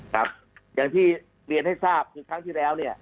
ครับอย่างที่เรียนให้ทราบคือครั้งที่แล้วเนี่ย